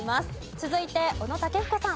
続いて小野武彦さん。